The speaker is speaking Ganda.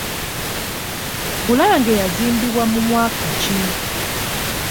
Bulange yazimbibwa mu mwaka ki?